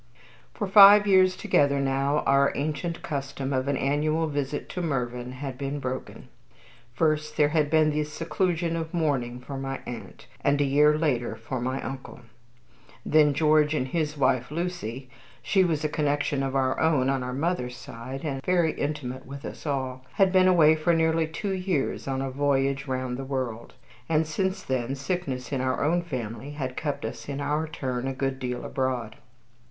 For five years together now our ancient custom of an annual visit to Mervyn had been broken. First there had been the seclusion of mourning for my aunt, and a year later for my uncle; then George and his wife, Lucy, she was a connection of our own on our mother's side, and very intimate with us all, had been away for nearly two years on a voyage round the world; and since then sickness in our own family had kept us in our turn a good deal abroad.